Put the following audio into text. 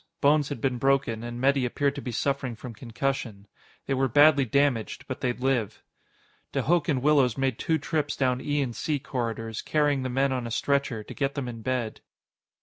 Bones had been broken, and Metty appeared to be suffering from concussion. They were badly damaged, but they'd live. De Hooch and Willows made two trips down E and C corridors, carrying the men on a stretcher, to get them in bed.